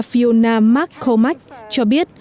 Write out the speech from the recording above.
fiona mccormack cho biết